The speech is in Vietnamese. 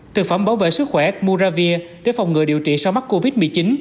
thực phẩm bảo vệ sức khỏe muravir để phòng ngừa điều trị sau mắc covid một mươi chín